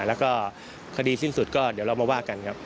แล้วก็คดีสิ้นสุดก็เดี๋ยวเรามาว่ากันครับ